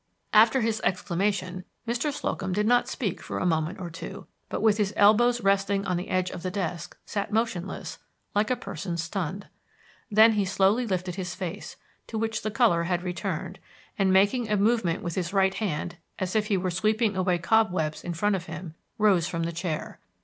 After his exclamation, Mr. Slocum did not speak for a moment or two, but with his elbows resting on the edge of the desk sat motionless, like a person stunned. Then he slowly lifted his face, to which the color had returned, and making a movement with his right hand as if he were sweeping away cobwebs in front of him rose from the chair.